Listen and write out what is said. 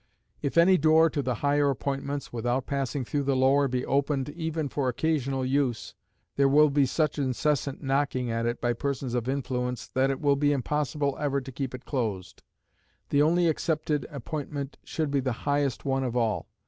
If any door to the higher appointments, without passing through the lower, be opened even for occasional use, there will be such incessant knocking at it by persons of influence that it will be impossible ever to keep it closed. The only excepted appointment should be the highest one of all.